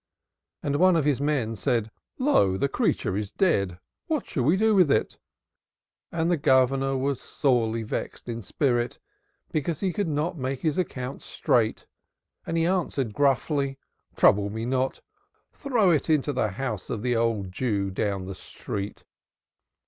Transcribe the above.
And one of his men said, "Lo, the creature is dead. What shall we do with it?" And the Governor was sorely vexed in spirit, because he could not make his accounts straight and he answered gruffly, "Trouble me not! Throw it into the house of the old Jew down the street."